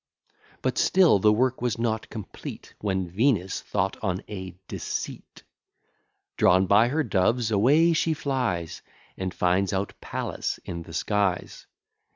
But still the work was not complete; When Venus thought on a deceit. Drawn by her doves, away she flies, And finds out Pallas in the skies.